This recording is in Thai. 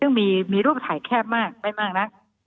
ซึ่งมีรูปถ่ายแคบมากได้มากนัก